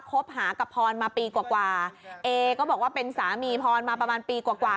คบหากับพรมาปีกว่าเอก็บอกว่าเป็นสามีพรมาประมาณปีกว่ากว่า